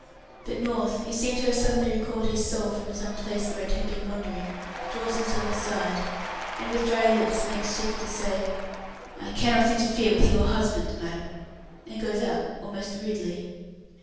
But North, who seemed to have suddenly recalled his soul from some place where it had been wandering, draws himself aside, and with dry lips makes shift to say, "I cannot interfere with your husband, madam," and goes out almost rudely.